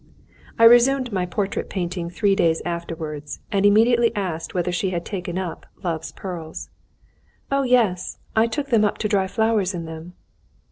I resumed my portrait painting three days afterwards, and immediately asked her whether she had taken up "Love's Pearls." "Oh, yes; I took them up to dry flowers in them."